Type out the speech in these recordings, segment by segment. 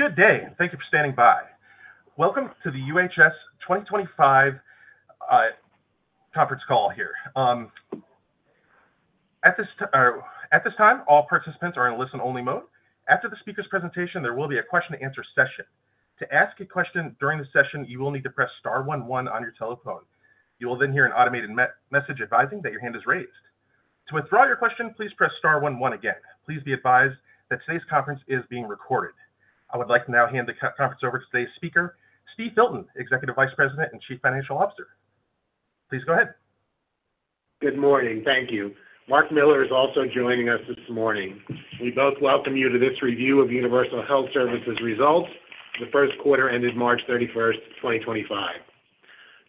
Good day, thank you for standing by. Welcome to the UHS 2025 conference call. At this time, all participants are in listen-only mode. After the speaker's presentation, there will be a question-and-answer session. To ask a question during the session, you will need to press star one-one on your telephone. You will then hear an automated message advising that your hand is raised. To withdraw your question, please press star one-one again. Please be advised that today's conference is being recorded. I would like to now hand the conference over to today's speaker, Steve Filton, Executive Vice President and Chief Financial Officer. Please go ahead. Good morning, thank you. Marc Miller is also joining us this morning. We both welcome you to this review of Universal Health Services' results for the Q1 ended 31 March 2025.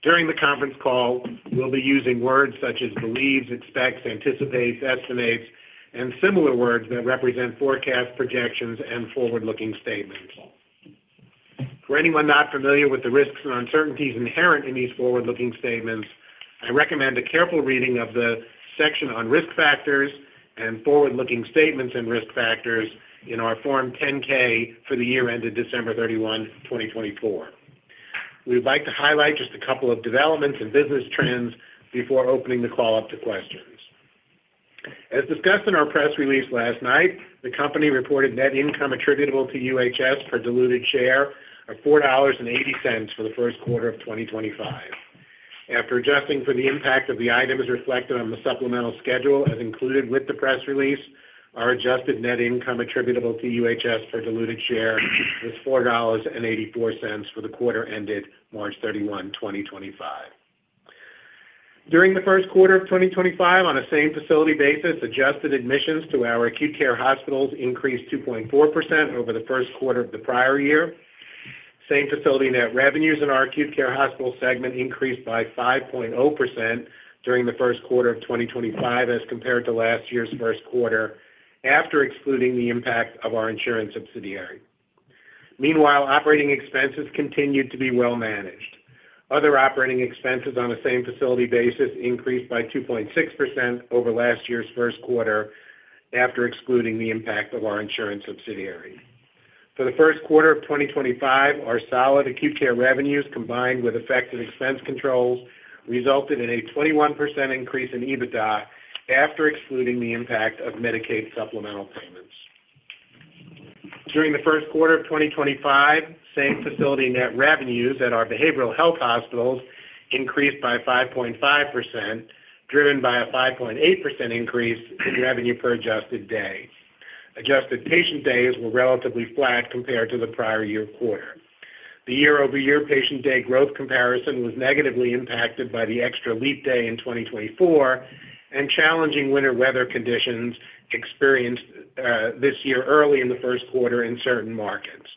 During the conference call, we'll be using words such as believes, expects, anticipates, estimates, and similar words that represent forecasts, projections, and forward-looking statements. For anyone not familiar with the risks and uncertainties inherent in these forward-looking statements, I recommend a careful reading of the section on risk factors and forward-looking statements and risk factors in our Form 10-K for the year ended 31 December 2024. We'd like to highlight just a couple of developments and business trends before opening the call up to questions. As discussed in our press release last night, the company reported net income attributable to UHS per diluted share of $4.80 for the Q1 of 2025. After adjusting for the impact of the items reflected on the supplemental schedule as included with the press release, our adjusted net income attributable to UHS per diluted share was $4.84 for the quarter ended 31 March 2025. During the Q1 of 2025, on a same facility basis, adjusted admissions to our acute care hospitals increased 2.4% over the Q1 of the prior year. Same facility net revenues in our acute care hospital segment increased by 5.0% during the Q1 of 2025 as compared to last year's Q1 after excluding the impact of our insurance subsidiary. Meanwhile, operating expenses continued to be well managed. Other operating expenses on a same facility basis increased by 2.6% over last year's Q1 after excluding the impact of our insurance subsidiary. For the Q1 of 2025, our solid acute care revenues combined with effective expense controls resulted in a 21% increase in EBITDA after excluding the impact of Medicaid supplemental payments. During the Q1 of 2025, same facility net revenues at our behavioral health hospitals increased by 5.5%, driven by a 5.8% increase in revenue per adjusted day. Adjusted patient days were relatively flat compared to the prior year quarter. The year-over-year patient day growth comparison was negatively impacted by the extra leap day in 2024 and challenging winter weather conditions experienced this year early in the Q1 in certain markets.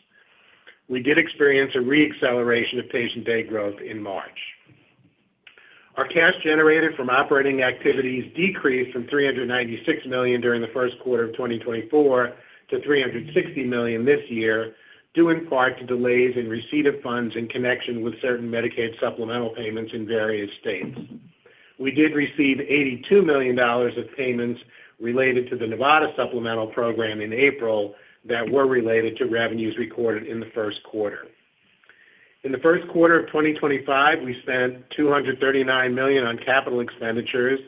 We did experience a re-acceleration of patient day growth in March. Our cash generated from operating activities decreased from $396 million during the Q1 of 2024 to $360 million this year, due in part to delays in receipt of funds in connection with certain Medicaid supplemental payments in various states. We did receive $82 million of payments related to the Nevada supplemental program in April that were related to revenues recorded in the Q1. In the Q1 of 2025, we spent $239 million on capital expenditures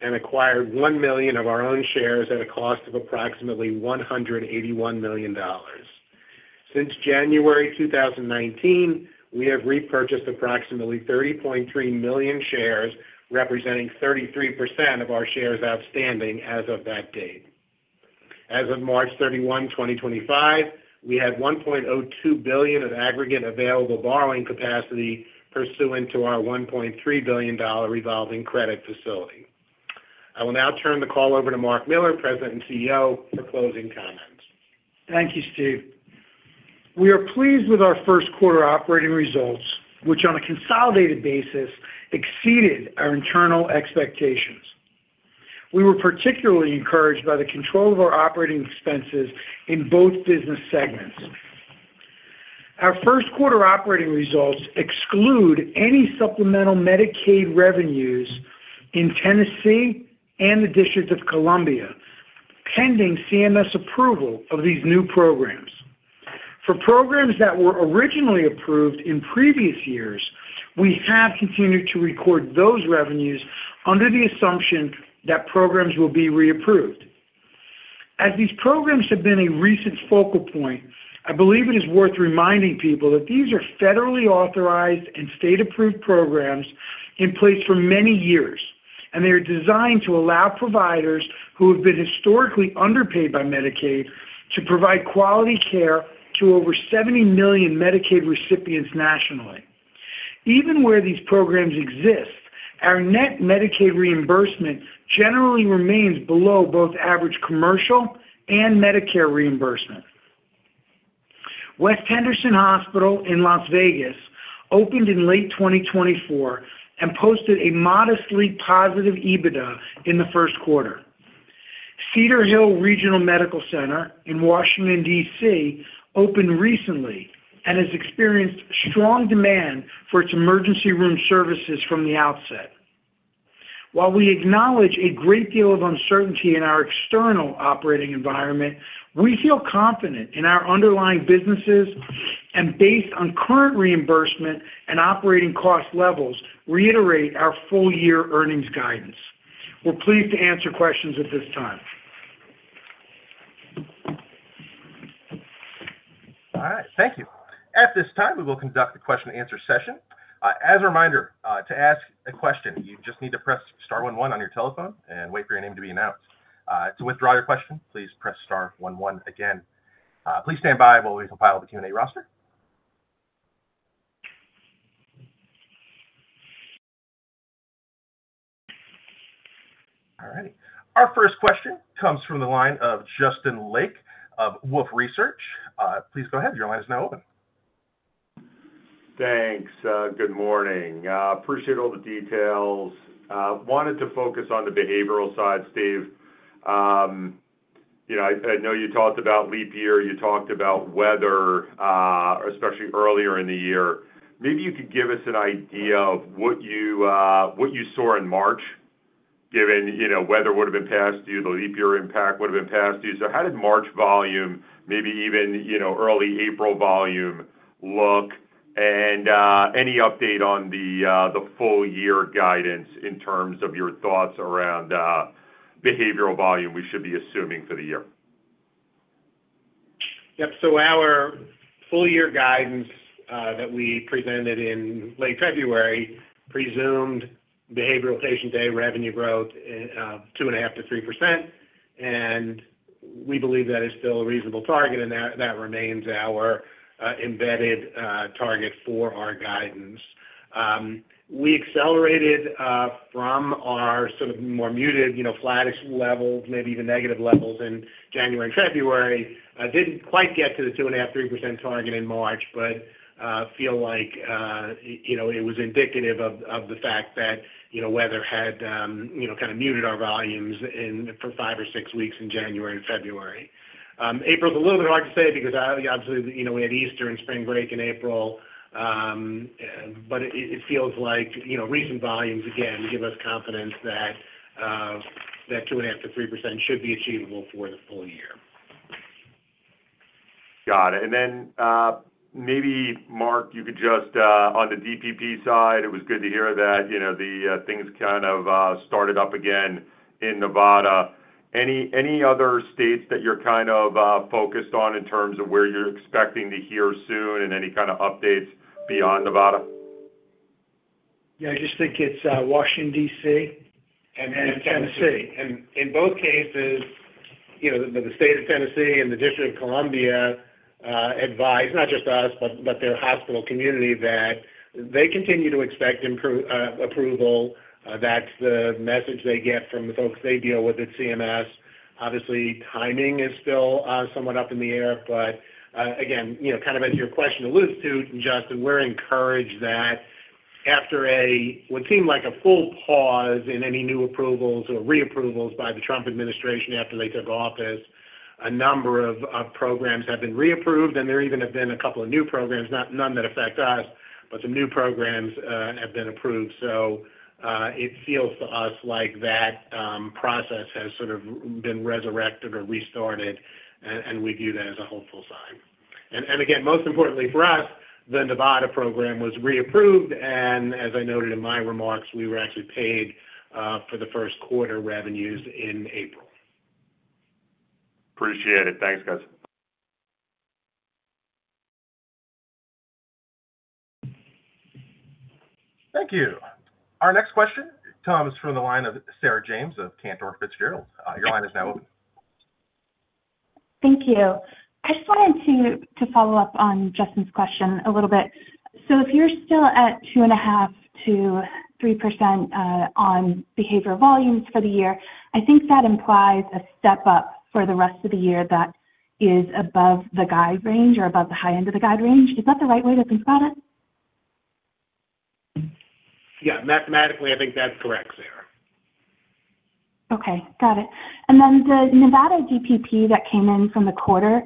and acquired $1 million of our own shares at a cost of approximately $181 million. Since January 2019, we have repurchased approximately 30.3 million shares, representing 33% of our shares outstanding as of that date. As of 31 March 2025, we had $1.02 billion of aggregate available borrowing capacity pursuant to our $1.3 billion revolving credit facility. I will now turn the call over to Marc Miller, President and CEO, for closing comments. Thank you, Steve. We are pleased with our Q1 operating results, which on a consolidated basis exceeded our internal expectations. We were particularly encouraged by the control of our operating expenses in both business segments. Our Q1 operating results exclude any supplemental Medicaid revenues in Tennessee and the District of Columbia pending CMS approval of these new programs. For programs that were originally approved in previous years, we have continued to record those revenues under the assumption that programs will be reapproved. As these programs have been a recent focal point, I believe it is worth reminding people that these are federally authorized and state-approved programs in place for many years, and they are designed to allow providers who have been historically underpaid by Medicaid to provide quality care to over 70 million Medicaid recipients nationally. Even where these programs exist, our net Medicaid reimbursement generally remains below both average commercial and Medicare reimbursement. West Henderson Hospital in Las Vegas opened in late 2024 and posted a modestly positive EBITDA in the Q1. Cedar Hill Regional Medical Center in Washington, DC, opened recently and has experienced strong demand for its emergency room services from the outset. While we acknowledge a great deal of uncertainty in our external operating environment, we feel confident in our underlying businesses and, based on current reimbursement and operating cost levels, reiterate our full-year earnings guidance. We're pleased to answer questions at this time. All right, thank you. At this time, we will conduct the question-and-answer session. As a reminder, to ask a question, you just need to press star one-one on your telephone and wait for your name to be announced. To withdraw your question, please press star one-one again. Please stand by while we compile the Q&A roster. All right. Our first question comes from the line of Justin Lake of Wolfe Research. Please go ahead. Your line is now open. Thanks. Good morning. Appreciate all the details. Wanted to focus on the behavioral side, Steve. You know, I know you talked about leap year. You talked about weather, especially earlier in the year. Maybe you could give us an idea of what you saw in March, given, you know, weather would have been past due, the leap year impact would have been past due. How did March volume, maybe even, you know, early April volume look? Any update on the full-year guidance in terms of your thoughts around behavioral volume we should be assuming for the year? Yep. Our full-year guidance that we presented in late February presumed behavioral patient day revenue growth in 2.5% to 3%. We believe that is still a reasonable target, and that remains our embedded target for our guidance. We accelerated from our sort of more muted, you know, flattish levels, maybe even negative levels in January and February. Did not quite get to the 2.5% to 3% target in March, but feel like, you know, it was indicative of the fact that, you know, weather had, you know, kind of muted our volumes in for five or six weeks in January and February. April is a little bit hard to say because I obviously, you know, we had Easter and spring break in April. It feels like, you know, recent volumes again give us confidence that 2.5% to 3% should be achievable for the full year. Got it. Maybe, Marc, you could just, on the DPP side, it was good to hear that, you know, things kind of started up again in Nevada. Any other states that you're kind of focused on in terms of where you're expecting to hear soon and any kind of updates beyond Nevada? Yeah, I just think it's Washington, DC, and then Tennessee. In both cases, you know, the state of Tennessee and the District of Columbia advise, not just us, but their hospital community, that they continue to expect approval. That's the message they get from the folks they deal with at CMS. Obviously, timing is still somewhat up in the air, but, again, you know, kind of as your question alludes to, Justin, we're encouraged that after what seemed like a full pause in any new approvals or reapprovals by the Trump administration after they took office, a number of programs have been reapproved, and there even have been a couple of new programs, not none that affect us, but some new programs have been approved. It feels to us like that process has sort of been resurrected or restarted, and we view that as a hopeful sign. Again, most importantly for us, the Nevada program was reapproved, and as I noted in my remarks, we were actually paid for the Q1 revenues in April. Appreciate it. Thanks, guys. Thank you. Our next question, Tom, is from the line of Sarah James of Cantor Fitzgerald. Your line is now open. Thank you. I just wanted to follow up on Justin's question a little bit. If you're still at 2.5% to 3% on behavioral volumes for the year, I think that implies a step up for the rest of the year that is above the guide range or above the high end of the guide range. Is that the right way to think about it? Yeah, mathematically, I think that's correct, Sarah. Okay, got it. The Nevada DPP that came in from the quarter,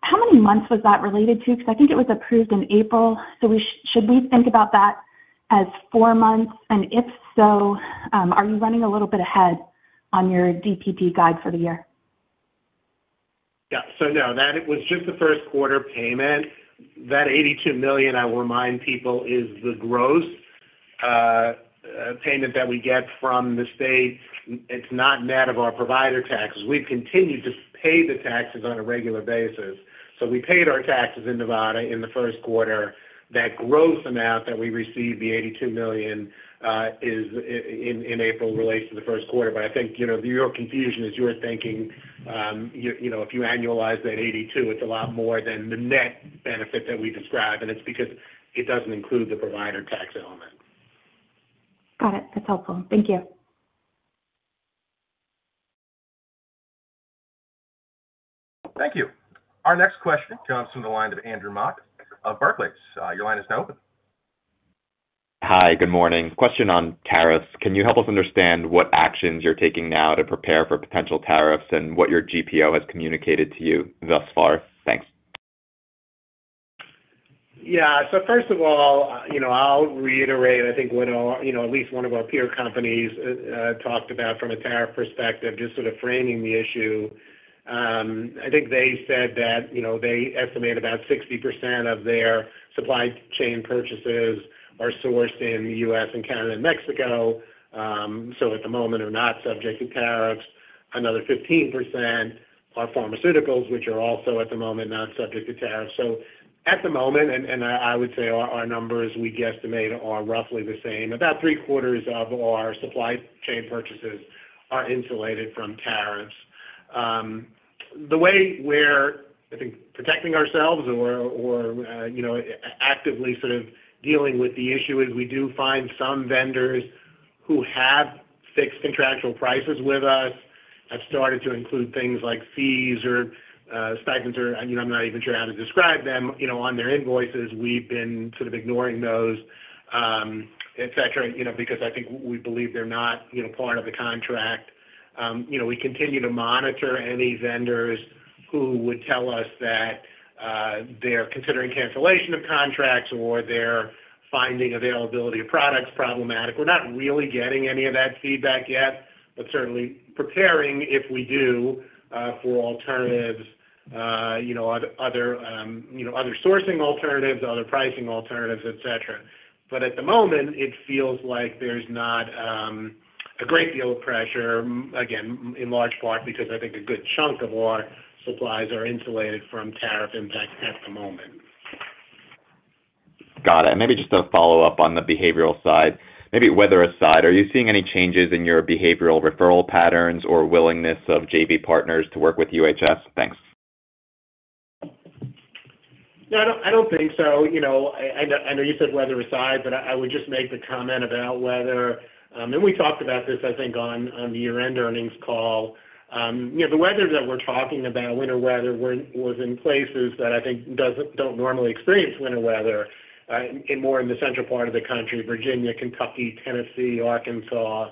how many months was that related to? 'Cause I think it was approved in April. Should we think about that as four months? If so, are you running a little bit ahead on your DPP guide for the year? Yeah. No, that was just the Q1 payment. That $82 million, I will remind people, is the gross payment that we get from the state. It's not net of our provider taxes. We've continued to pay the taxes on a regular basis. We paid our taxes in Nevada in the Q1. That gross amount that we received, the $82 million, in April relates to the Q1. I think, you know, your confusion is you're thinking, you know, if you annualize that $82 million, it's a lot more than the net benefit that we describe, and it's because it doesn't include the provider tax element. Got it. That's helpful. Thank you. Thank you. Our next question comes from the line of Andrew Mok of Barclays. Your line is now open. Hi, good morning. Question on tariffs. Can you help us understand what actions you're taking now to prepare for potential tariffs and what your GPO has communicated to you thus far? Thanks. Yeah. First of all, you know, I'll reiterate, I think, what all, you know, at least one of our peer companies talked about from a tariff perspective, just sort of framing the issue. I think they said that, you know, they estimate about 60% of their supply chain purchases are sourced in the US and Canada and Mexico, so at the moment, they're not subject to tariffs. Another 15% are pharmaceuticals, which are also at the moment not subject to tariffs. At the moment, and I would say our numbers, we guesstimate, are roughly the same. About three-quarters of our supply chain purchases are insulated from tariffs. The way we're, I think, protecting ourselves or, or, you know, actively sort of dealing with the issue is we do find some vendors who have fixed contractual prices with us have started to include things like fees or, stipends or, you know, I'm not even sure how to describe them, you know, on their invoices. We've been sort of ignoring those, etc., you know, because I think we believe they're not, you know, part of the contract. You know, we continue to monitor any vendors who would tell us that they're considering cancellation of contracts or they're finding availability of products problematic. We're not really getting any of that feedback yet, but certainly preparing if we do, for alternatives, you know, other, you know, other sourcing alternatives, other pricing alternatives, etc. At the moment, it feels like there's not a great deal of pressure, again, in large part because I think a good chunk of our supplies are insulated from tariff impacts at the moment. Got it. Maybe just to follow up on the behavioral side, maybe weather aside, are you seeing any changes in your behavioral referral patterns or willingness of JV partners to work with UHS? Thanks. No, I don't, I don't think so. You know, I, I know you said weather aside, but I would just make the comment about weather, and we talked about this, I think, on the year-end earnings call. You know, the weather that we're talking about, winter weather, was in places that I think don't normally experience winter weather, more in the central part of the country, Virginia, Kentucky, Tennessee, Arkansas.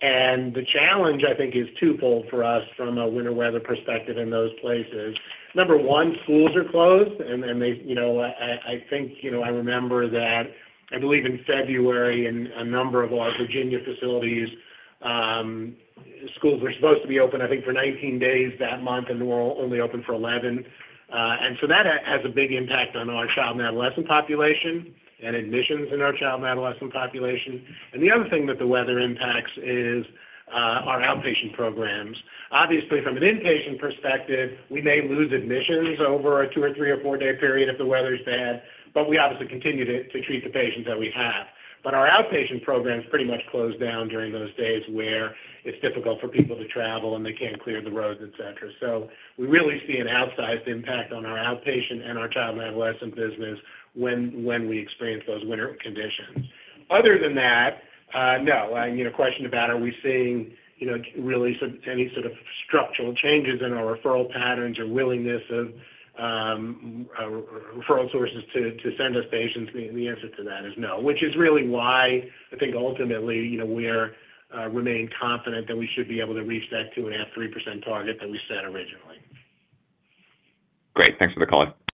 The challenge, I think, is twofold for us from a winter weather perspective in those places. Number one, schools are closed, and they, you know, I think, you know, I remember that I believe in February in a number of our Virginia facilities, schools were supposed to be open, I think, for 19 days that month, and they were only open for 11. That has a big impact on our child and adolescent population and admissions in our child and adolescent population. The other thing that the weather impacts is our outpatient programs. Obviously, from an inpatient perspective, we may lose admissions over a two or three or four-day period if the weather is bad, but we obviously continue to treat the patients that we have. Our outpatient programs pretty much close down during those days where it is difficult for people to travel and they cannot clear the roads, etc. We really see an outsized impact on our outpatient and our child and adolescent business when we experience those winter conditions. Other than that, no. You know, question about are we seeing, you know, really sort of any sort of structural changes in our referral patterns or willingness of referral sources to, to send us patients, the answer to that is no, which is really why I think ultimately, you know, we remain confident that we should be able to reach that 2.5% to 3% target that we set originally. Great. Thanks for the call. Thank you.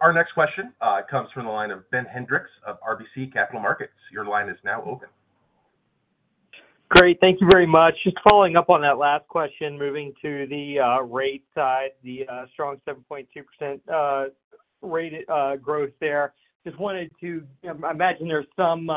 Our next question comes from the line of Ben Hendrix of RBC Capital Markets. Your line is now open. Great. Thank you very much. Just following up on that last question, moving to the rate side, the strong 7.2% rate growth there. Just wanted to imagine there's some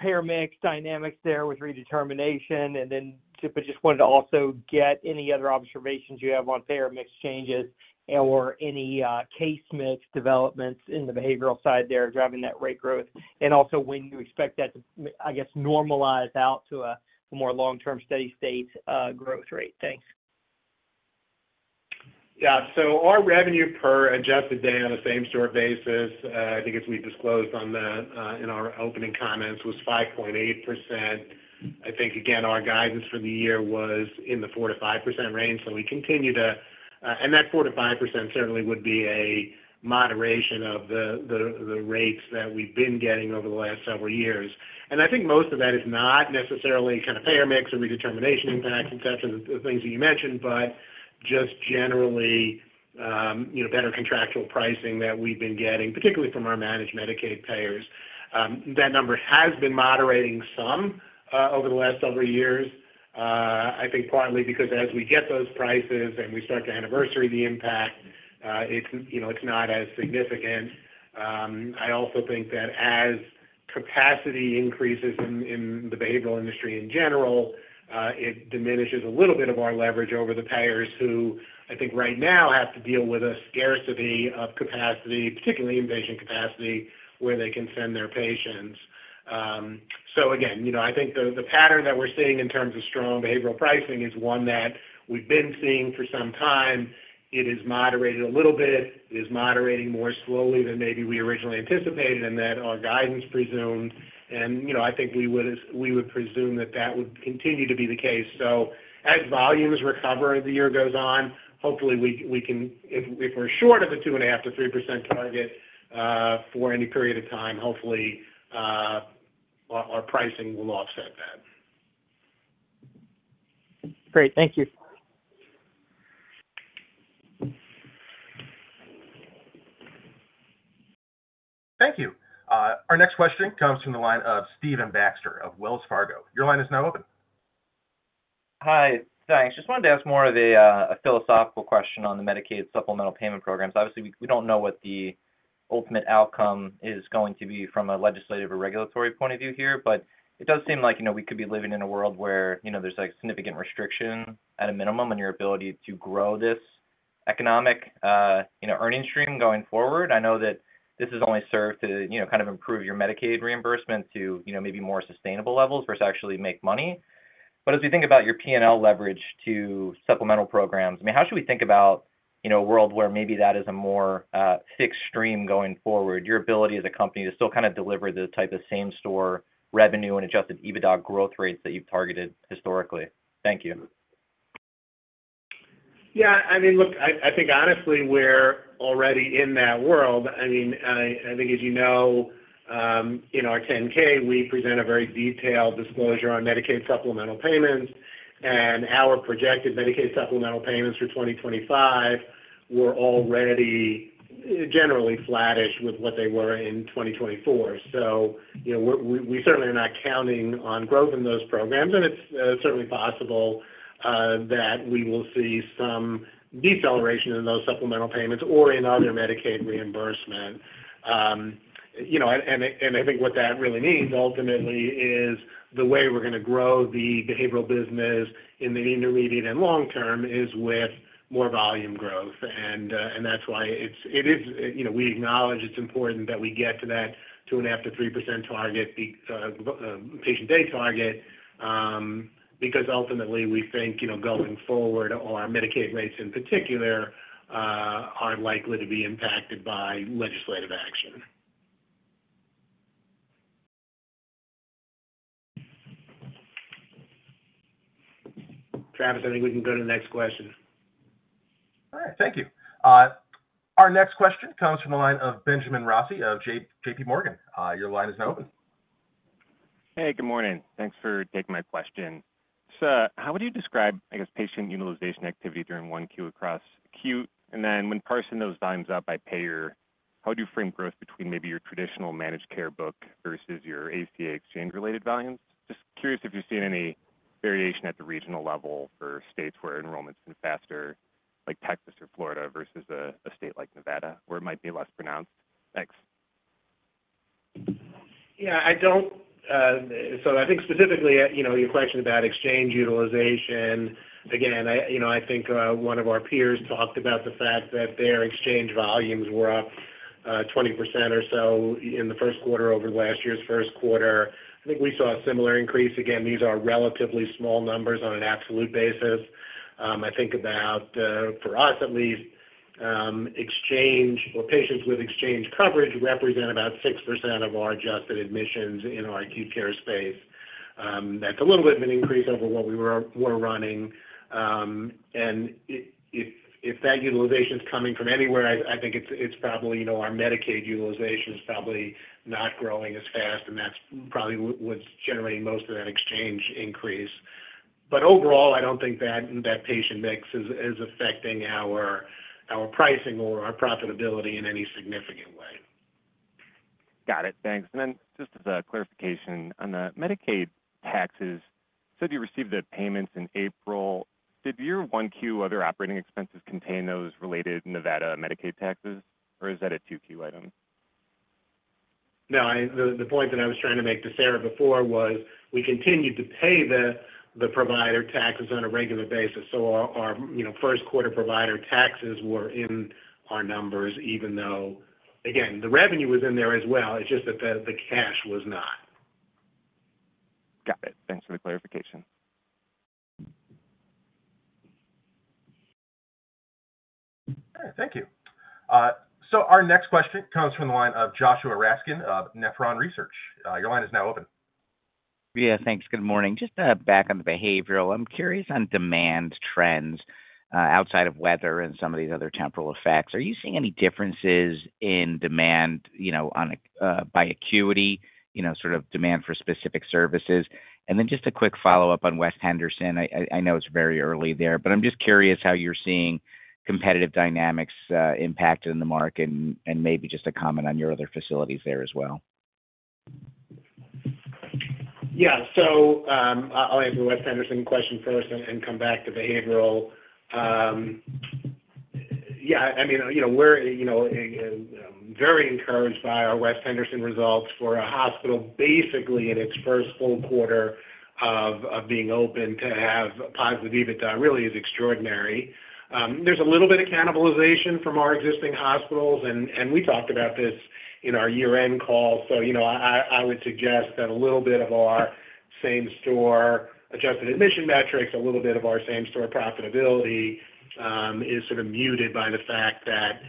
payer mix dynamics there with redetermination, and then just wanted to also get any other observations you have on payer mix changes and/or any case mix developments in the behavioral side there driving that rate growth, and also when you expect that to, I guess, normalize out to a more long-term steady state growth rate. Thanks. Yeah. Our revenue per adjusted day on a same-store basis, I think as we disclosed in our opening comments, was 5.8%. I think, again, our guidance for the year was in the 4% to 5% range. We continue to, and that 45% to 5% certainly would be a moderation of the rates that we've been getting over the last several years. I think most of that is not necessarily kind of payer mix or redetermination impacts, etc., the things that you mentioned, but just generally, you know, better contractual pricing that we've been getting, particularly from our managed Medicaid payers. That number has been moderating some over the last several years, I think partly because as we get those prices and we start to anniversary the impact, it's, you know, it's not as significant. I also think that as capacity increases in the behavioral industry in general, it diminishes a little bit of our leverage over the payers who I think right now have to deal with a scarcity of capacity, particularly inpatient capacity, where they can send their patients. You know, I think the pattern that we're seeing in terms of strong behavioral pricing is one that we've been seeing for some time. It is moderated a little bit. It is moderating more slowly than maybe we originally anticipated and that our guidance presumed. You know, I think we would presume that that would continue to be the case. As volumes recover as the year goes on, hopefully we can, if we're short of the 2.5% to 3% target for any period of time, hopefully, our pricing will offset that. Great. Thank you. Thank you. Our next question comes from the line of Stephen Baxter of Wells Fargo. Your line is now open. Hi. Thanks. Just wanted to ask more of the, a philosophical question on the Medicaid supplemental payment programs. Obviously, we don't know what the ultimate outcome is going to be from a legislative or regulatory point of view here, but it does seem like, you know, we could be living in a world where, you know, there's like significant restriction at a minimum on your ability to grow this economic, you know, earnings stream going forward. I know that this has only served to, you know, kind of improve your Medicaid reimbursement to, you know, maybe more sustainable levels versus actually make money. As we think about your P&L leverage to supplemental programs, I mean, how should we think about, you know, a world where maybe that is a more fixed stream going forward, your ability as a company to still kind of deliver the type of same-store revenue and adjusted EBITDA growth rates that you've targeted historically? Thank you. Yeah. I mean, look, I think honestly we're already in that world. I mean, I think as you know, our 10-K, we present a very detailed disclosure on Medicaid supplemental payments, and our projected Medicaid supplemental payments for 2025 were already generally flattish with what they were in 2024. You know, we certainly are not counting on growth in those programs, and it's certainly possible that we will see some deceleration in those supplemental payments or in other Medicaid reimbursement. You know, and I think what that really means ultimately is the way we're going to grow the behavioral business in the intermediate and long term is with more volume growth. That's why it is, you know, we acknowledge it's important that we get to that 2.5% to 3% patient day target, because ultimately, we think, you know, going forward, our Medicaid rates in particular are likely to be impacted by legislative action. Travis, I think we can go to the next question. All right. Thank you. Our next question comes from the line of Benjamin Rossi of JPMorgan. Your line is now open. Hey, good morning. Thanks for taking my question. How would you describe, I guess, patient utilization activity during one Q across acute? When parsing those volumes out by payer, how would you frame growth between maybe your traditional managed care book versus your ACA exchange-related volumes? Just curious if you've seen any variation at the regional level for states where enrollment's been faster, like Texas or Florida versus a state like Nevada where it might be less pronounced. Thanks. Yeah. I don't, so I think specifically at, you know, your question about exchange utilization, again, I, you know, I think, one of our peers talked about the fact that their exchange volumes were up, 20% or so in the Q1 over last year's Q1. I think we saw a similar increase. Again, these are relatively small numbers on an absolute basis. I think about, for us at least, exchange or patients with exchange coverage represent about 6% of our adjusted admissions in our acute care space. That's a little bit of an increase over what we were running. And if that utilization's coming from anywhere, I think it's probably, you know, our Medicaid utilization's probably not growing as fast, and that's probably what's generating most of that exchange increase. Overall, I don't think that, that patient mix is, is affecting our, our pricing or our profitability in any significant way. Got it. Thanks. Just as a clarification on the Medicaid taxes, you received the payments in April. Did your Q1 other operating expenses contain those related Nevada Medicaid taxes, or is that a Q2 item? No. I, the point that I was trying to make to Sarah before was we continued to pay the provider taxes on a regular basis. So our, you know, Q1 provider taxes were in our numbers even though, again, the revenue was in there as well. It's just that the cash was not. Got it. Thanks for the clarification. All right. Thank you. Our next question comes from the line of Joshua Raskin of Nephron Research. Your line is now open. Yeah. Thanks. Good morning. Just, back on the behavioral. I'm curious on demand trends, outside of weather and some of these other temporal effects. Are you seeing any differences in demand, you know, on a, by acuity, you know, sort of demand for specific services? And then just a quick follow-up on West Henderson. I know it's very early there, but I'm just curious how you're seeing competitive dynamics, impacted in the market and, and maybe just a comment on your other facilities there as well. Yeah. I'll answer the West Henderson question first and come back to behavioral. Yeah. I mean, you know, we're, you know, very encouraged by our West Henderson results. For a hospital basically in its first full quarter of being open to have positive EBITDA really is extraordinary. There's a little bit of cannibalization from our existing hospitals, and we talked about this in our year-end call. You know, I would suggest that a little bit of our same-store adjusted admission metrics, a little bit of our same-store profitability, is sort of muted by the fact that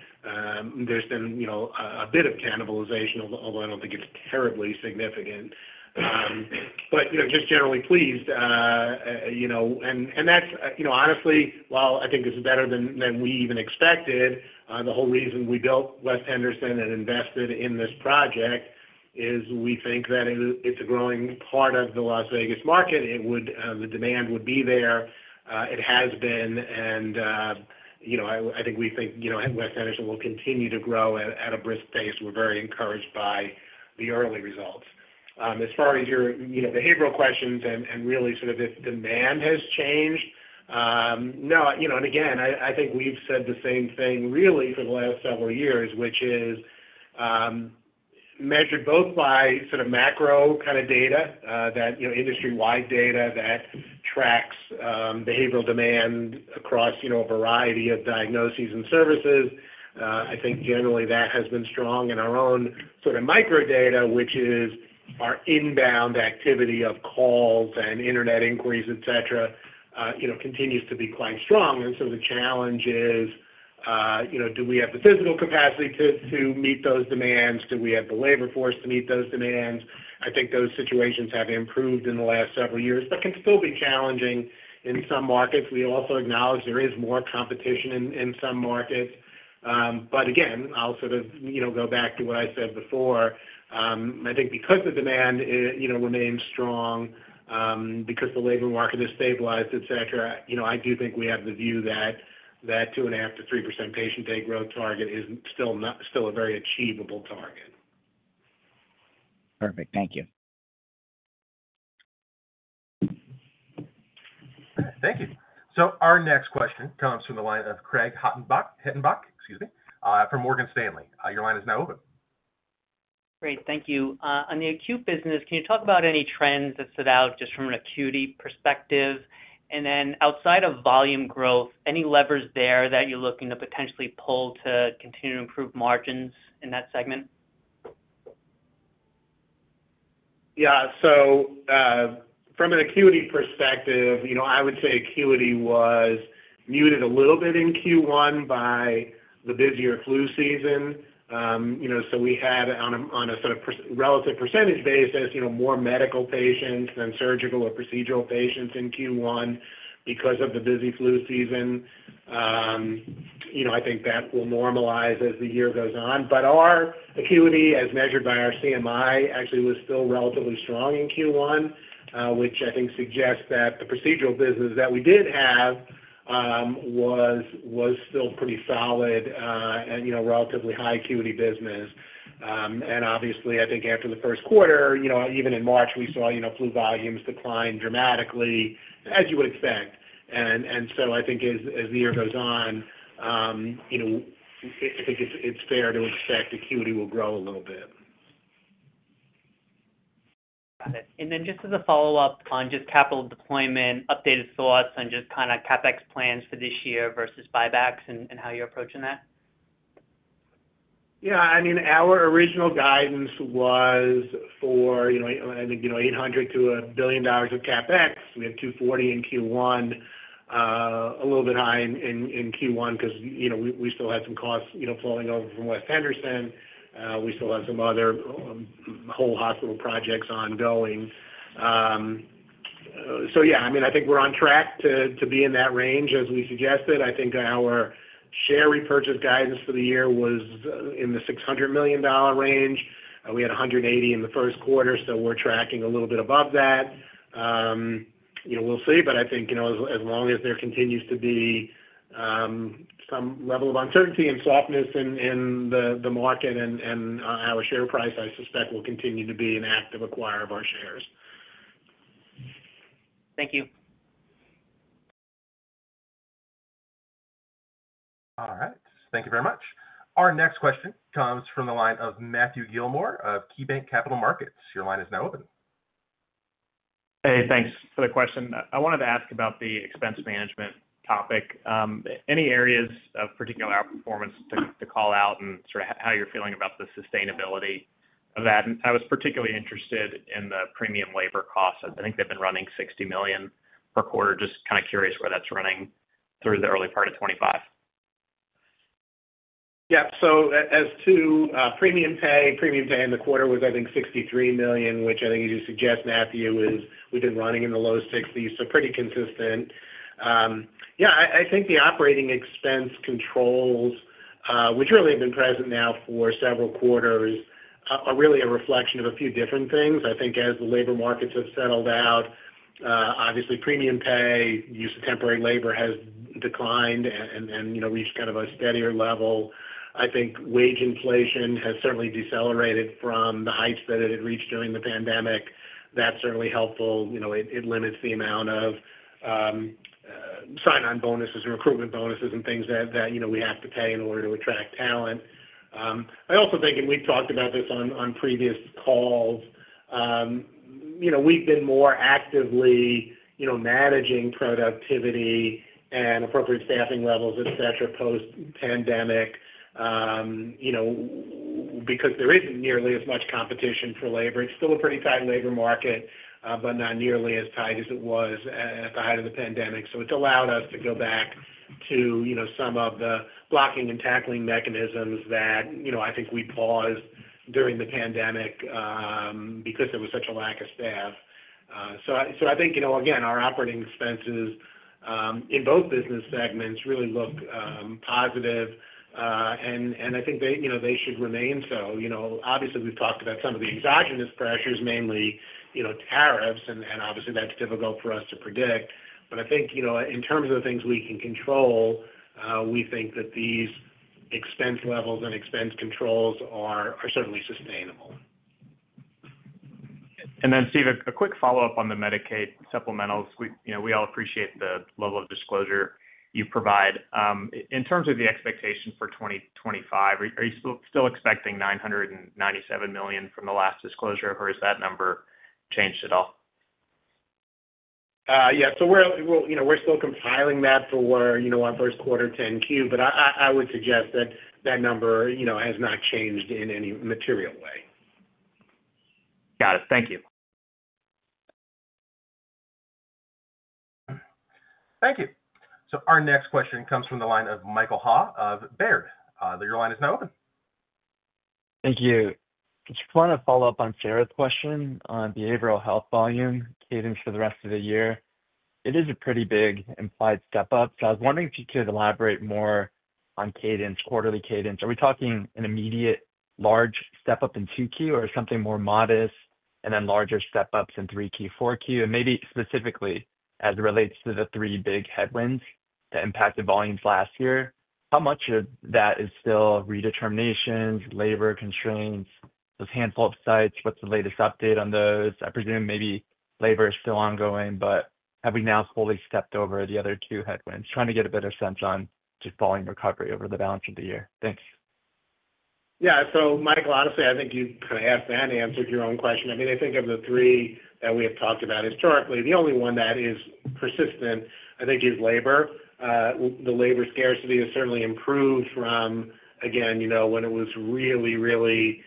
there's been a bit of cannibalization, although I don't think it's terribly significant. You know, just generally pleased, you know, and that's, you know, honestly, while I think it's better than we even expected, the whole reason we built West Henderson and invested in this project is we think that it is a growing part of the Las Vegas market. The demand would be there. It has been. You know, I think we think West Henderson will continue to grow at a brisk pace. We're very encouraged by the early results. As far as your behavioral questions and really sort of if demand has changed, no. You know, and again, I think we've said the same thing really for the last several years, which is, measured both by sort of macro kind of data, that, you know, industry-wide data that tracks behavioral demand across, you know, a variety of diagnoses and services. I think generally that has been strong. And our own sort of microdata, which is our inbound activity of calls and internet inquiries, etc., you know, continues to be quite strong. The challenge is, you know, do we have the physical capacity to meet those demands? Do we have the labor force to meet those demands? I think those situations have improved in the last several years but can still be challenging in some markets. We also acknowledge there is more competition in some markets. I will sort of, you know, go back to what I said before. I think because the demand, you know, remains strong, because the labor market has stabilized, etc., you know, I do think we have the view that that 2.5% to 3% patient day growth target is still not still a very achievable target. Perfect. Thank you. Thank you. Our next question comes from the line of Craig Hettenbach from Morgan Stanley. Your line is now open. Great. Thank you. On the acute business, can you talk about any trends that stood out just from an acuity perspective? Then outside of volume growth, any levers there that you're looking to potentially pull to continue to improve margins in that segment? Yeah. From an acuity perspective, you know, I would say acuity was muted a little bit in Q1 by the busier flu season. You know, we had on a, on a sort of per relative percentage basis, you know, more medical patients than surgical or procedural patients in Q1 because of the busy flu season. You know, I think that will normalize as the year goes on. Our acuity, as measured by our CMI, actually was still relatively strong in Q1, which I think suggests that the procedural business that we did have was, was still pretty solid, and, you know, relatively high acuity business. Obviously, I think after the Q1, you know, even in March, we saw, you know, flu volumes decline dramatically, as you would expect. I think as the year goes on, you know, I think it's fair to expect acuity will grow a little bit. Got it. Just as a follow-up on just capital deployment, updated thoughts on just kind of CapEx plans for this year versus buybacks and how you're approaching that? Yeah. I mean, our original guidance was for, you know, I think, you know, $800 million to 1 billion of CapEx. We had $240 million in Q1, a little bit high in, in Q1 because, you know, we still had some costs, you know, flowing over from West Henderson. We still have some other, whole hospital projects ongoing. So yeah, I mean, I think we're on track to be in that range as we suggested. I think our share repurchase guidance for the year was in the $600 million range. We had $180 million in the Q1, so we're tracking a little bit above that. You know, we'll see. I think, you know, as long as there continues to be some level of uncertainty and softness in the market and our share price, I suspect we'll continue to be an active acquirer of our shares. Thank you. All right. Thank you very much. Our next question comes from the line of Matthew Gillmor of KeyBanc Capital Markets. Your line is now open. Hey, thanks for the question. I wanted to ask about the expense management topic. Any areas of particular outperformance to call out and sort of how you're feeling about the sustainability of that? I was particularly interested in the premium labor costs. I think they've been running $60 million per quarter. Just kind of curious where that's running through the early part of 2025. Yeah. As to premium pay, premium pay in the quarter was, I think, $63 million, which I think you just suggest, Matthew, is we've been running in the low 60s, so pretty consistent. Yeah, I think the operating expense controls, which really have been present now for several quarters, are really a reflection of a few different things. I think as the labor markets have settled out, obviously premium pay, use of temporary labor has declined and, you know, reached kind of a steadier level. I think wage inflation has certainly decelerated from the heights that it had reached during the pandemic. That's certainly helpful. You know, it limits the amount of sign-on bonuses and recruitment bonuses and things that, you know, we have to pay in order to attract talent. I also think, and we've talked about this on previous calls, you know, we've been more actively, you know, managing productivity and appropriate staffing levels, etc., post-pandemic, you know, because there isn't nearly as much competition for labor. It's still a pretty tight labor market, but not nearly as tight as it was at the height of the pandemic. It's allowed us to go back to, you know, some of the blocking and tackling mechanisms that, you know, I think we paused during the pandemic, because there was such a lack of staff. I think, you know, again, our operating expenses in both business segments really look positive, and I think they, you know, they should remain so. You know, obviously we've talked about some of the exogenous pressures, mainly, you know, tariffs, and obviously that's difficult for us to predict. I think, you know, in terms of the things we can control, we think that these expense levels and expense controls are certainly sustainable. Steve, a quick follow-up on the Medicaid supplementals. We, you know, we all appreciate the level of disclosure you provide. In terms of the expectation for 2025, are you still expecting $997 million from the last disclosure, or has that number changed at all? Yeah. We're, you know, we're still compiling that for our Q1 10-Q. I would suggest that that number, you know, has not changed in any material way. Got it. Thank you. Thank you. Our next question comes from the line of Michael Ha of Baird. Your line is now open. Thank you. Just want to follow up on Sarah's question on behavioral health volume cadence for the rest of the year. It is a pretty big implied step up. I was wondering if you could elaborate more on cadence, quarterly cadence. Are we talking an immediate large step up in 2Q or something more modest and then larger step ups in 3Q, 4Q? Maybe specifically as it relates to the three big headwinds that impacted volumes last year, how much of that is still redeterminations, labor constraints, those handful of sites? What's the latest update on those? I presume maybe labor is still ongoing, but have we now fully stepped over the other two headwinds? Trying to get a better sense on just volume recovery over the balance of the year. Thanks. Yeah. Michael, honestly, I think you kind of asked and answered your own question. I mean, I think of the three that we have talked about historically, the only one that is persistent, I think, is labor. The labor scarcity has certainly improved from, again, you know, when it was really, really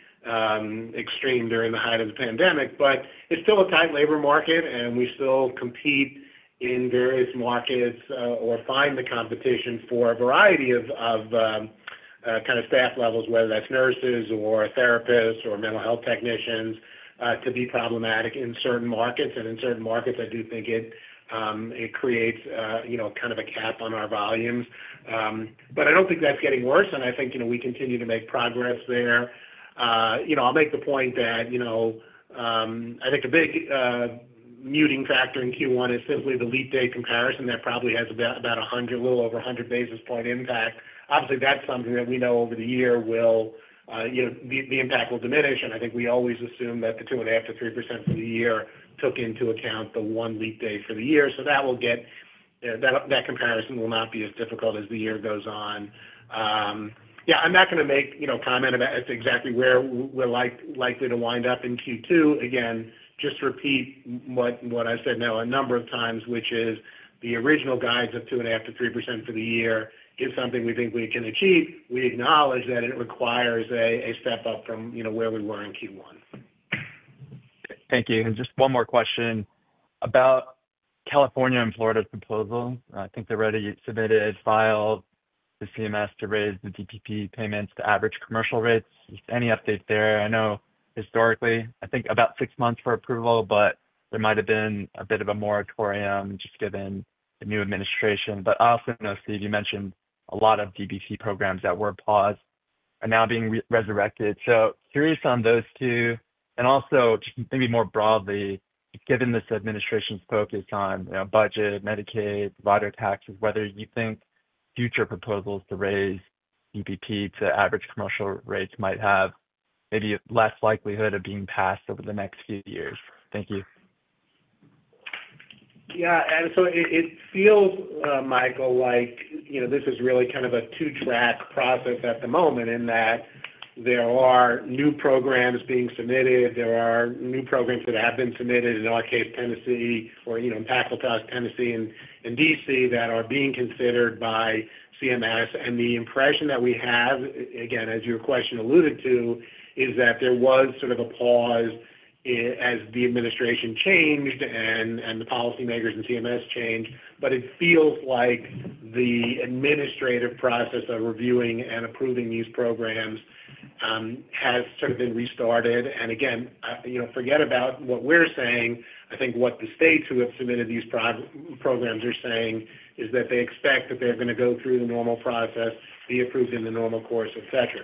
extreme during the height of the pandemic. It is still a tight labor market, and we still compete in various markets, or find the competition for a variety of, of, kind of staff levels, whether that is nurses or therapists or mental health technicians, to be problematic in certain markets. In certain markets, I do think it creates, you know, kind of a cap on our volumes. I do not think that is getting worse. I think, you know, we continue to make progress there. You know, I'll make the point that, you know, I think a big muting factor in Q1 is simply the leap day comparison. That probably has about, about 100, a little over 100 basis point impact. Obviously, that's something that we know over the year will, you know, the impact will diminish. I think we always assume that the 2.5% to 3% for the year took into account the one leap day for the year. That comparison will not be as difficult as the year goes on. Yeah, I'm not going to make, you know, comment about exactly where we're likely to wind up in Q2. Again, just repeat what I've said now a number of times, which is the original guides of 2.5% to 3% for the year is something we think we can achieve. We acknowledge that it requires a step up from, you know, where we were in Q1. Thank you. Just one more question about California and Florida's proposal. I think they're ready to submit it, file the CMS to raise the DPP payments to average commercial rates. Any updates there? I know historically, I think about six months for approval, but there might have been a bit of a moratorium just given the new administration. I also know, Steve, you mentioned a lot of DPP programs that were paused are now being resurrected. Curious on those two. Also just maybe more broadly, given this administration's focus on, you know, budget, Medicaid, provider taxes, whether you think future proposals to raise DPP to average commercial rates might have maybe less likelihood of being passed over the next few years. Thank you. Yeah. It feels, Michael, like, you know, this is really kind of a two-track process at the moment in that there are new programs being submitted. There are new programs that have been submitted, in our case, Tennessee or, you know, in places, Tennessee and DC that are being considered by CMS. The impression that we have, again, as your question alluded to, is that there was sort of a pause as the administration changed and the policymakers and CMS changed. It feels like the administrative process of reviewing and approving these programs has sort of been restarted. Again, you know, forget about what we're saying. I think what the states who have submitted these programs are saying is that they expect that they're going to go through the normal process, be approved in the normal course, etc.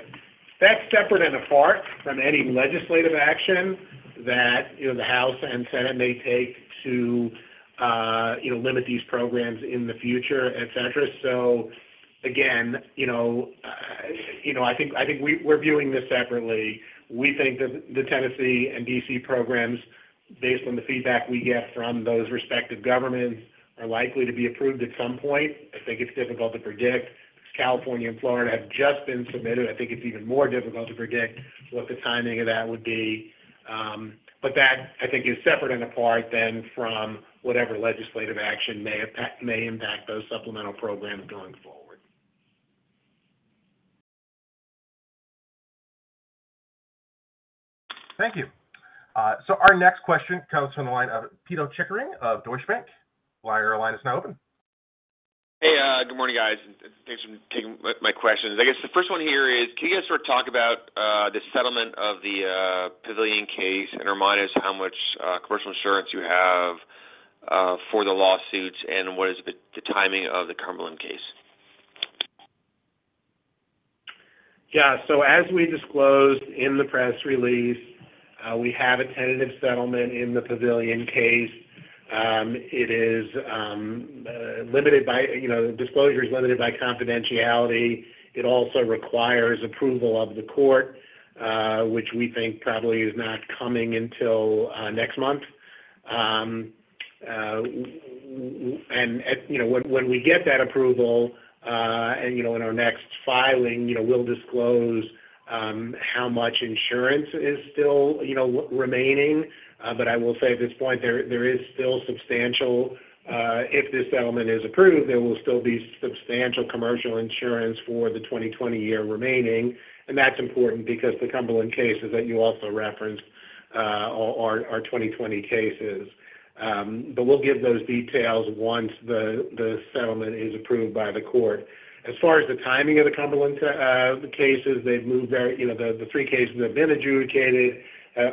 That's separate and apart from any legislative action that, you know, the House and Senate may take to, you know, limit these programs in the future, etc. Again, you know, I think, I think we're viewing this separately. We think that the Tennessee and DC programs, based on the feedback we get from those respective governments, are likely to be approved at some point. I think it's difficult to predict. California and Florida have just been submitted. I think it's even more difficult to predict what the timing of that would be. That, I think, is separate and apart then from whatever legislative action may impact, may impact those supplemental programs going forward. Thank you. Our next question comes from the line of Pito Chickering of Deutsche Bank. Your line is now open. Hey, good morning, guys. Thanks for taking my questions. I guess the first one here is, can you guys sort of talk about the settlement of the Pavilion case and remind us how much commercial insurance you have for the lawsuits and what is the timing of the Cumberland case? Yeah. As we disclosed in the press release, we have a tentative settlement in the Pavilion case. It is limited by, you know, the disclosure is limited by confidentiality. It also requires approval of the court, which we think probably is not coming until next month. You know, when we get that approval, and, you know, in our next filing, you know, we'll disclose how much insurance is still, you know, remaining. I will say at this point, there is still substantial, if this settlement is approved, there will still be substantial commercial insurance for the 2020 year remaining. That is important because the Cumberland cases that you also referenced are 2020 cases. We'll give those details once the settlement is approved by the court. As far as the timing of the Cumberland cases, they've moved very, you know, the three cases that have been adjudicated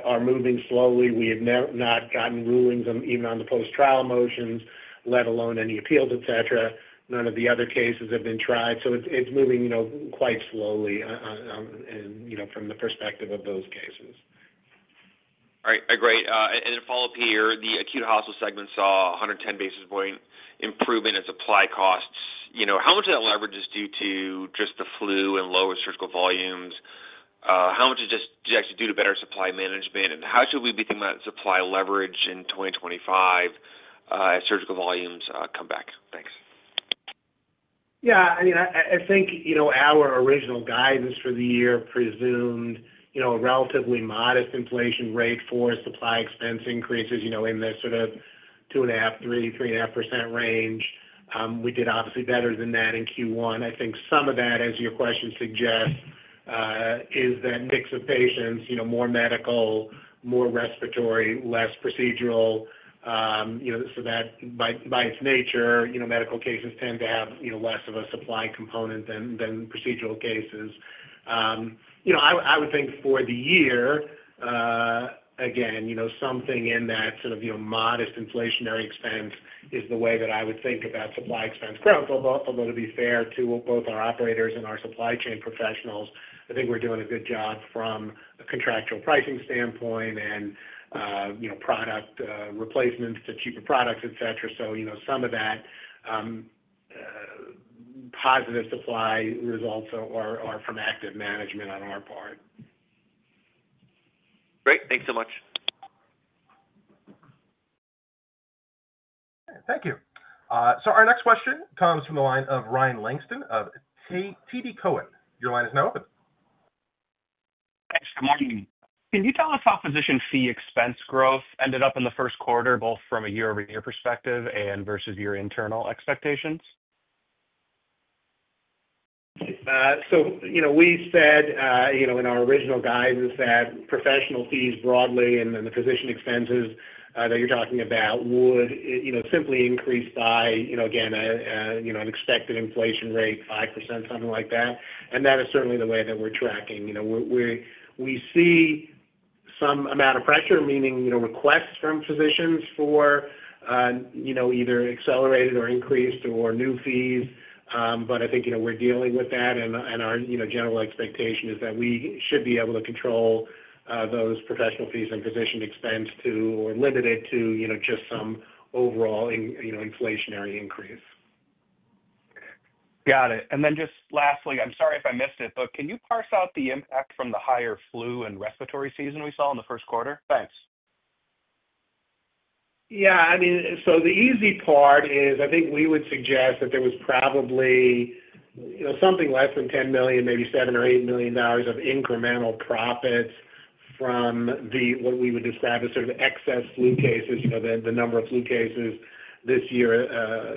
are moving slowly. We have not gotten rulings on even on the post-trial motions, let alone any appeals, etc. None of the other cases have been tried. It is moving, you know, quite slowly, and, you know, from the perspective of those cases. All right. I agree. And then follow-up here, the acute hospital segment saw 110 basis point improvement in supply costs. You know, how much of that leverage is due to just the flu and lower surgical volumes? How much is just, just actually due to better supply management? And how should we be thinking about supply leverage in 2025, as surgical volumes come back? Thanks. Yeah. I mean, I think, you know, our original guidance for the year presumed, you know, a relatively modest inflation rate for supply expense increases, you know, in the sort of 2.5% to 3% to 3.5% range. We did obviously better than that in Q1. I think some of that, as your question suggests, is that mix of patients, you know, more medical, more respiratory, less procedural, you know, so that by its nature, you know, medical cases tend to have, you know, less of a supply component than procedural cases. You know, I would think for the year, again, you know, something in that sort of, you know, modest inflationary expense is the way that I would think about supply expense. Credit, although to be fair to both our operators and our supply chain professionals, I think we're doing a good job from a contractual pricing standpoint and, you know, product replacements to cheaper products, etc. You know, some of that positive supply results are from active management on our part. Great. Thanks so much. Thank you. Our next question comes from the line of Ryan Langston of TD Cowen. Your line is now open. Thanks. Good morning. Can you tell us how physician fee expense growth ended up in the Q1, both from a year-over-year perspective and versus your internal expectations? You know, we said, you know, in our original guidance that professional fees broadly and the physician expenses that you're talking about would, you know, simply increase by, you know, again, a, you know, an expected inflation rate, 5%, something like that. That is certainly the way that we're tracking. You know, we see some amount of pressure, meaning, you know, requests from physicians for, you know, either accelerated or increased or new fees. I think, you know, we're dealing with that. Our general expectation is that we should be able to control those professional fees and physician expense to or limit it to, you know, just some overall, you know, inflationary increase. Got it. Lastly, I'm sorry if I missed it, but can you parse out the impact from the higher flu and respiratory season we saw in the Q1? Thanks. Yeah. I mean, the easy part is I think we would suggest that there was probably, you know, something less than $10 million, maybe $7 or $8 million of incremental profits from what we would describe as sort of excess flu cases, you know, the number of flu cases this year,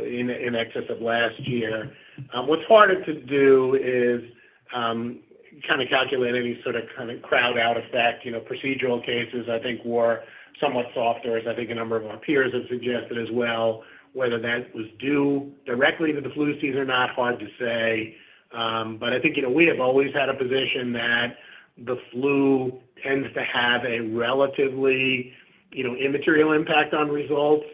in excess of last year. What's harder to do is kind of calculate any sort of kind of crowd-out effect. You know, procedural cases, I think, were somewhat softer, as I think a number of our peers have suggested as well. Whether that was due directly to the flu season or not, hard to say. I think, you know, we have always had a position that the flu tends to have a relatively, you know, immaterial impact on results,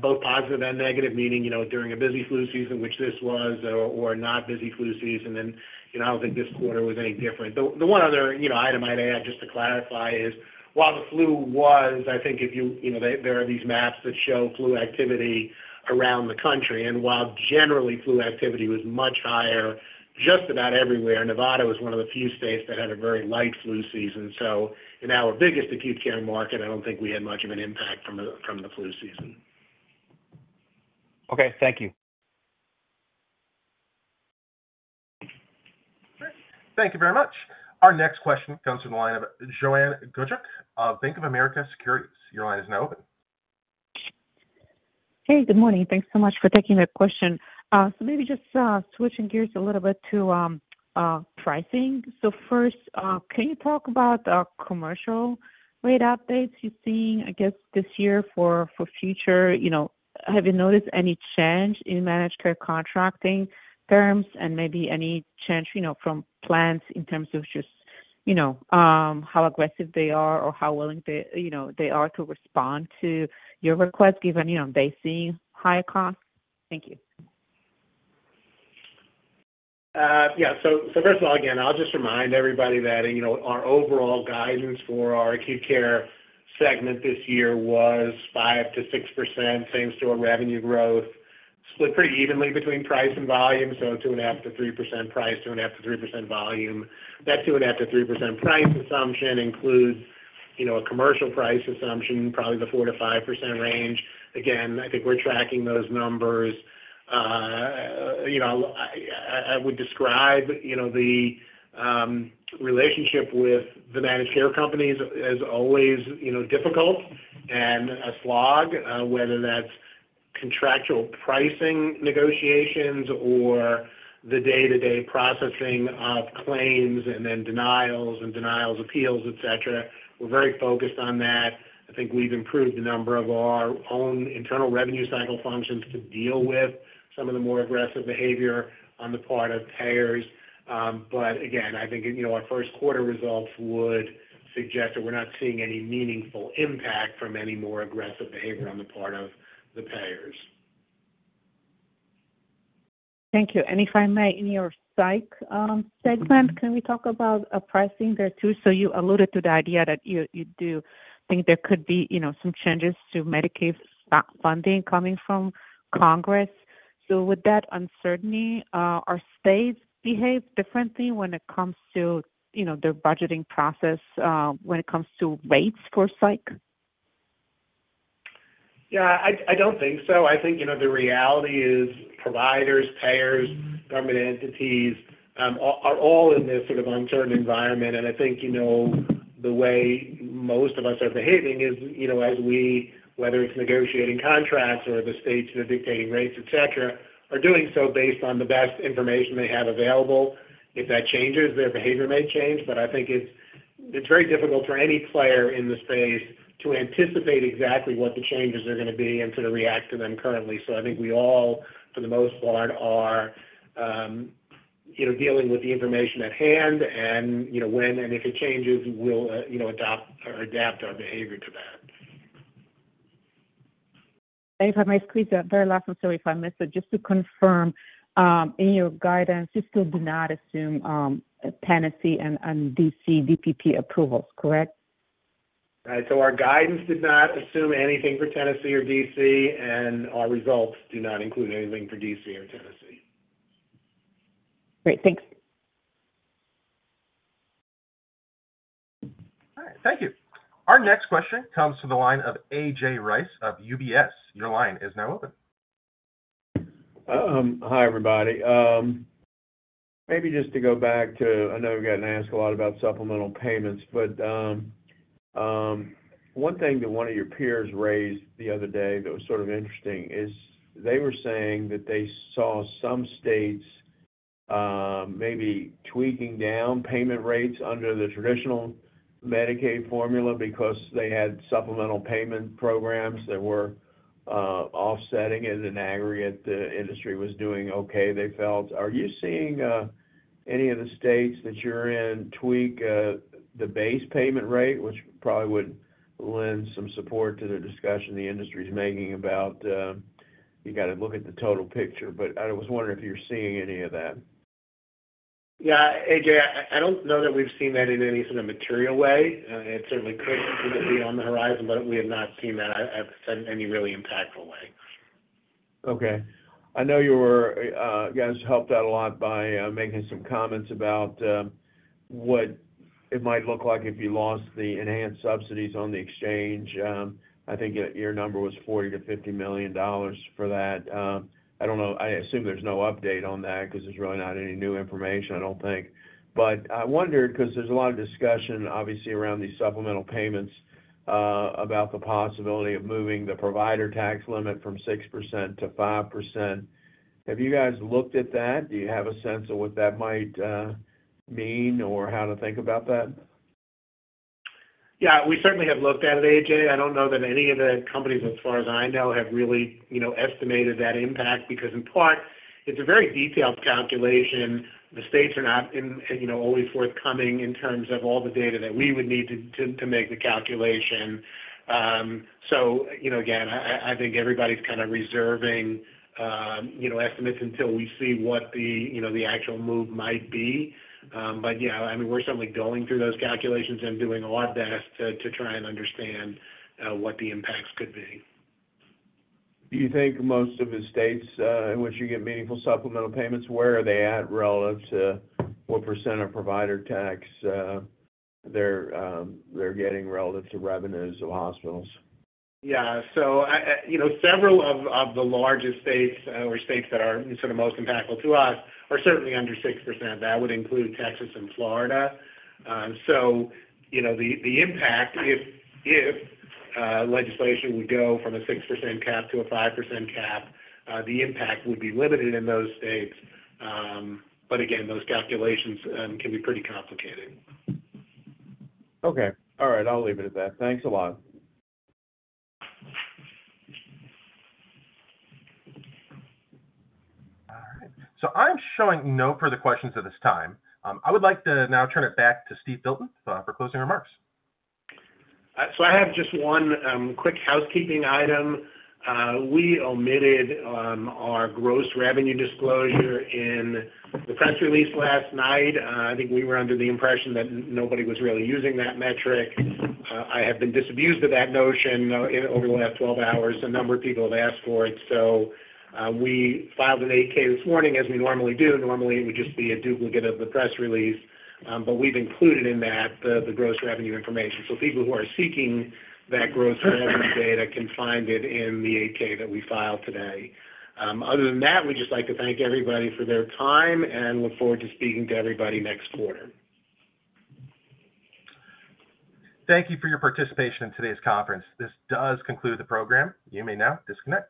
both positive and negative, meaning, you know, during a busy flu season, which this was, or not busy flu season. You know, I do not think this quarter was any different. The one other, you know, item I would add just to clarify is while the flu was, I think if you, you know, there are these maps that show flu activity around the country. While generally flu activity was much higher just about everywhere, Nevada was one of the few states that had a very light flu season. In our biggest acute care market, I do not think we had much of an impact from the flu season. Okay. Thank you. Thank you very much. Our next question comes from the line of Joan Gajuk of Bank of America Securities. Your line is now open. Hey, good morning. Thanks so much for taking the question. Maybe just switching gears a little bit to pricing. First, can you talk about the commercial rate updates you're seeing, I guess, this year for future, you know, have you noticed any change in managed care contracting terms and maybe any change, you know, from plans in terms of just, you know, how aggressive they are or how willing they, you know, they are to respond to your requests, given, you know, they see higher costs? Thank you. Yeah. First of all, again, I'll just remind everybody that, you know, our overall guidance for our acute care segment this year was 5% to 6% same store revenue growth, split pretty evenly between price and volume. So, 2.5% to 3% price, 2.5% to 3% volume. That 2.5% to 3% price assumption includes, you know, a commercial price assumption, probably the 4% to 5% range. Again, I think we're tracking those numbers. You know, I would describe, you know, the relationship with the managed care companies as always, you know, difficult and a slog, whether that's contractual pricing negotiations or the day-to-day processing of claims and then denials and denials, appeals, etc. We're very focused on that. I think we've improved the number of our own internal revenue cycle functions to deal with some of the more aggressive behavior on the part of payers. Again, I think, you know, our Q1 results would suggest that we're not seeing any meaningful impact from any more aggressive behavior on the part of the payers. Thank you. If I may, in your psych segment, can we talk about pricing there too? You alluded to the idea that you do think there could be, you know, some changes to Medicaid funding coming from Congress. With that uncertainty, are states behaving differently when it comes to, you know, their budgeting process, when it comes to rates for psych? Yeah. I don't think so. I think, you know, the reality is providers, payers, government entities are all in this sort of uncertain environment. I think, you know, the way most of us are behaving is, you know, as we, whether it's negotiating contracts or the states that are dictating rates, etc., are doing so based on the best information they have available. If that changes, their behavior may change. I think it's very difficult for any player in the space to anticipate exactly what the changes are going to be and sort of react to them currently. I think we all, for the most part, are, you know, dealing with the information at hand and, you know, when and if it changes, we'll, you know, adopt or adapt our behavior to that. If I may squeeze that very last one, so if I missed it, just to confirm, in your guidance, you still do not assume Tennessee and DC DPP approvals, correct? Right. Our guidance did not assume anything for Tennessee or DC, and our results do not include anything for DC or Tennessee. Great. Thanks. All right. Thank you. Our next question comes from the line of A.J. Rice of UBS. Your line is now open. Hi, everybody. Maybe just to go back to, I know we've gotten asked a lot about supplemental payments, but one thing that one of your peers raised the other day that was sort of interesting is they were saying that they saw some states maybe tweaking down payment rates under the traditional Medicaid formula because they had supplemental payment programs that were offsetting as an aggregate. The industry was doing okay, they felt. Are you seeing any of the states that you're in tweak the base payment rate, which probably would lend some support to the discussion the industry's making about, you got to look at the total picture. I was wondering if you're seeing any of that. Yeah. A.J., I don't know that we've seen that in any sort of material way. It certainly could be on the horizon, but we have not seen that in any really impactful way. Okay. I know you guys helped out a lot by making some comments about what it might look like if you lost the enhanced subsidies on the exchange. I think your number was $40 to 50 million for that. I don't know. I assume there's no update on that because there's really not any new information, I don't think. I wondered because there's a lot of discussion, obviously, around these supplemental payments, about the possibility of moving the provider tax limit from 6% to 5%. Have you guys looked at that? Do you have a sense of what that might mean or how to think about that? Yeah. We certainly have looked at it, A.J. I don't know that any of the companies, as far as I know, have really, you know, estimated that impact because in part, it's a very detailed calculation. The states are not, you know, always forthcoming in terms of all the data that we would need to, to make the calculation. You know, again, I think everybody's kind of reserving, you know, estimates until we see what the, you know, the actual move might be. Yeah, I mean, we're certainly going through those calculations and doing our best to try and understand what the impacts could be. Do you think most of the states, in which you get meaningful supplemental payments, where are they at relative to what percent of provider tax they're getting relative to revenues of hospitals? Yeah. So, you know, several of the largest states, or states that are sort of most impactful to us are certainly under 6%. That would include Texas and Florida. So, you know, the impact, if legislation would go from a 6% cap to a 5% cap, the impact would be limited in those states. Again, those calculations can be pretty complicated. Okay. All right. I'll leave it at that. Thanks a lot. All right. I'm showing no further questions at this time. I would like to now turn it back to Steve Filton for closing remarks. I have just one quick housekeeping item. We omitted our gross revenue disclosure in the press release last night. I think we were under the impression that nobody was really using that metric. I have been disabused of that notion in the last 12 hours. A number of people have asked for it. We filed an 8-K this morning as we normally do. Normally, it would just be a duplicate of the press release, but we've included in that the gross revenue information. People who are seeking that gross revenue data can find it in the 8-K that we filed today. Other than that, we'd just like to thank everybody for their time and look forward to speaking to everybody next quarter. Thank you for your participation in today's conference. This does conclude the program. You may now disconnect.